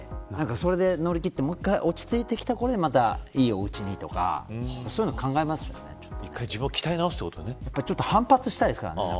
それで乗り切ってもう一回落ち着いてきたところでいいお家にとか１回自分を鍛え直すってやっぱりちょっと反発したいですからね